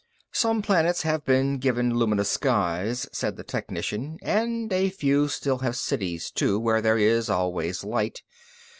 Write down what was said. "Some planets have been given luminous skies," said the technician, "and a few still have cities, too, where it is always light.